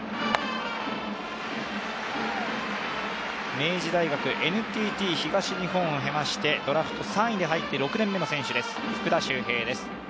明治大学ＮＴＴ東日本を経まして、ドラフト３位で入って６年目の選手、福田秀平です。